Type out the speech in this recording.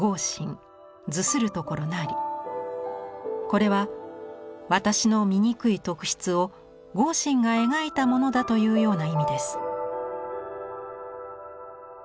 これは「私の醜い特質を豪信が描いたものだ」というような意味です。